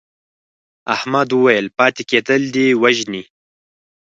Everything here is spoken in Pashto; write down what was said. احمد وویل پاتې کېدل دې وژني.